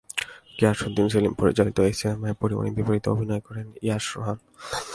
গিয়াসউদ্দিন সেলিম পরিচালিত এ সিনেমায় পরীমনির বিপরীতে অভিনয় করেন ইয়াশ রোহান।